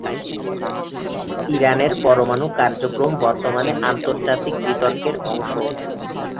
ইরানের পরমাণু কার্যক্রম বর্তমানে আন্তর্জাতিক বিতর্কের অংশ।